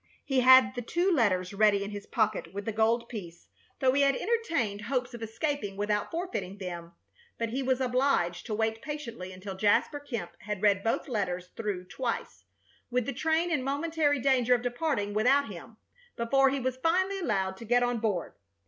He had the two letters ready in his pocket, with the gold piece, though he had entertained hopes of escaping without forfeiting them, but he was obliged to wait patiently until Jasper Kemp had read both letters through twice, with the train in momentary danger of departing without him, before he was finally allowed to get on board.